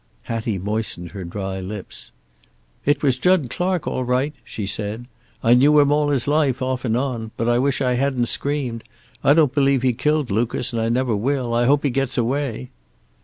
Hattie moistened her dry lips. "It was Jud Clark, all right," she said. "I knew him all his life, off and on. But I wish I hadn't screamed. I don't believe he killed Lucas, and I never will. I hope he gets away."